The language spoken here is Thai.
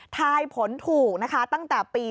ทายผลถูกนะคะตั้งแต่ปี๒๕